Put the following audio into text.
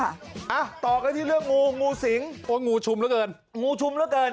อ่ะต่อกันที่เรื่องงูงูสิงโอ้ยงูชุมเหลือเกินงูชุมแล้วเกิน